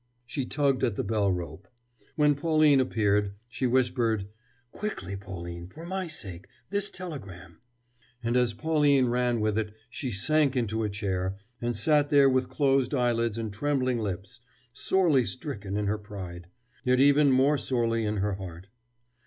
She tugged at the bell rope. When Pauline appeared, she whispered: "Quickly, Pauline, for my sake this telegram." And as Pauline ran with it, she sank into a chair, and sat there with closed eyelids and trembling lips, sorely stricken in her pride, yet even more sorely in her heart.